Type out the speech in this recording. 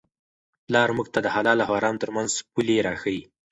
پلار موږ ته د حلال او حرام ترمنځ پولې را ښيي.